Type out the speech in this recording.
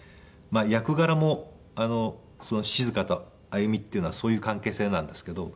役柄も静と歩っていうのはそういう関係性なんですけど。